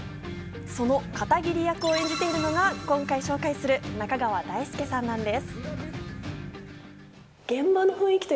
その片桐役を演じているのが今回紹介する中川大輔さんなんです。